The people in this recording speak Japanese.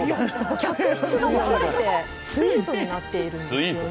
客室が全てスイートになってるんですね。